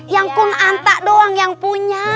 yang kun antak doang yang punya